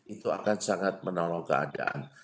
itu akan sangat menolong keadaan